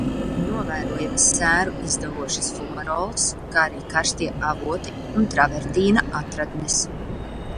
Novērojamas sēru izdalošas fumarolas, kā arī karstie avoti un travertīna atradnes.